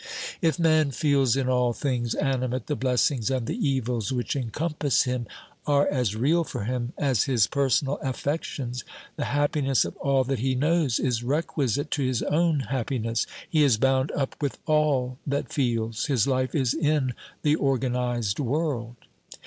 If man feels in all things animate, the blessings and the evils which encompass him are as real for him as his personal affections ; the happiness of all that he knows is requisite to his own happiness ; he is bound up with all that feels ; his life is in the organised world.